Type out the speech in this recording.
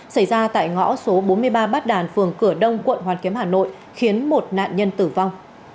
xảy ra tại ngõ số bốn mươi ba bát đàn phường cửa đông quận hoàn kiếm hà nội